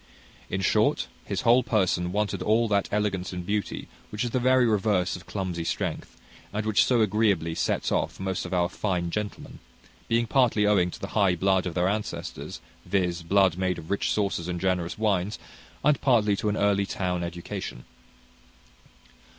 In short, his whole person wanted all that elegance and beauty which is the very reverse of clumsy strength, and which so agreeably sets off most of our fine gentlemen; being partly owing to the high blood of their ancestors, viz., blood made of rich sauces and generous wines, and partly to an early town education.